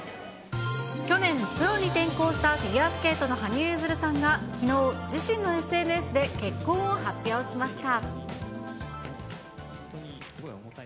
去年、プロに転向したフィギュアスケートの羽生結弦さんがきのう、自身のＳＮＳで結婚を発表しました。